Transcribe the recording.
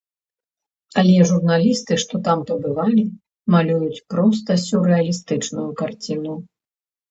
Але журналісты, што там пабывалі, малююць проста сюррэалістычную карціну.